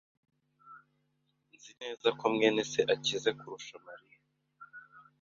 [S] Nzi neza ko mwene se akize kurusha Mariya.